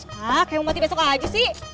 hah kayak mau mati besok aja sih